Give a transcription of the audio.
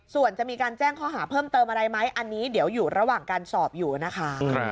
ส่วนจะมีการแจ้งข้อหาเพิ่มเติมอะไรไหมอันนี้เดี๋ยวอยู่ระหว่างการสอบอยู่นะคะ